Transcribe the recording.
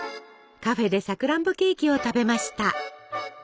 カフェでさくらんぼケーキを食べました。